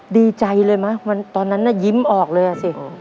ดีใจเลยไหมตอนนั้นน่ะยิ้มออกเลยอ่ะสิ